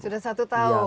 sudah satu tahun ya